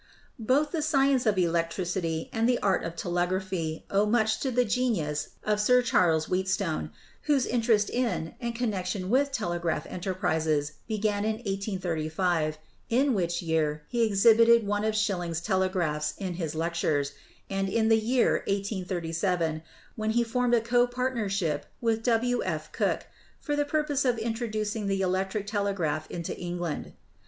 Both the science of electricity and the art of telegraphy owe much to the genius of Sir Charles Wheatstone, whose interest in and connection with telegraph enterprises be gan in 1835, in which year he exhibited one of Schilling's telegraphs in his lectures, and in the year 1837, when he formed a copartnership with W. F. Cooke, for the pur pose of introducing the electric telegraph into England.